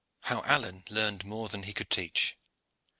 HOW ALLEYNE LEARNED MORE THAN HE COULD TEACH.